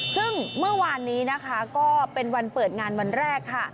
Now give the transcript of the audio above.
ซึ่งเมื่อวานนี้นะคะก็เป็นวันเปิดงานวันแรกค่ะ